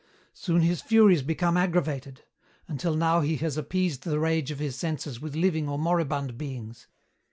"Soon his furies become aggravated. Until now he has appeased the rage of his senses with living or moribund beings.